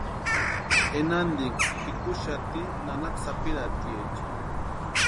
Enantiksï pikuxati nanaka sapirhatiecha.